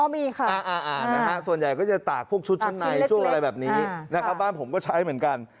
มีค่ะนะฮะส่วนใหญ่ก็จะตากพวกชุดชั้นในช่วงอะไรแบบนี้นะครับบ้านผมก็ใช้เหมือนกัน